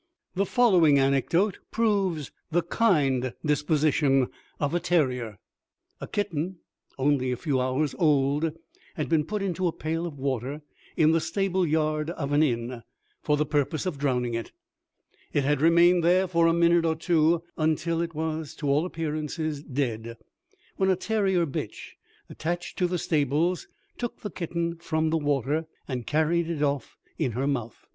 The following anecdote proves the kind disposition of a terrier. A kitten, only a few hours old, had been put into a pail of water, in the stable yard of an inn, for the purpose of drowning it. It had remained there for a minute or two, until it was to all appearance dead, when a terrier bitch, attached to the stables, took the kitten from the water, and carried it off in her mouth.